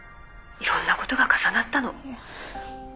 いろんなことが重なったの。